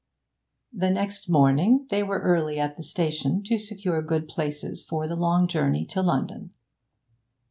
The next morning they were early at the station to secure good places for the long journey to London.